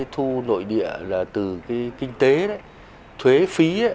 thu nội địa là từ kinh tế thuế phí